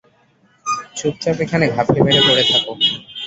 চুপচাপ এখানে ঘাপটি মেরে পড়ে থাক।